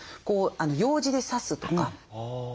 ようじで刺すとか。